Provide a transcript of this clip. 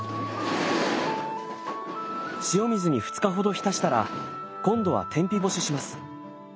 塩水に２日ほど浸したら今度は天日干しします。